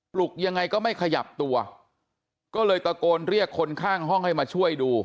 ลุกยังไงก็ไม่ขยับตัวก็เลยตะโกนเรียกคนข้างห้องให้มาช่วยดู